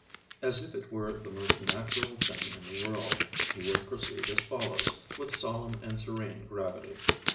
As if it were the most natural thing in the world, he would proceed as follows, with solemn and serene gravity.